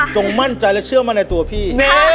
มั่นใจและเชื่อมั่นในตัวพี่